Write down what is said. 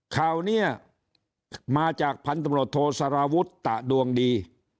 ข่าวนี้มาจากพันธมรตโทสารวุฒิตะดวงดี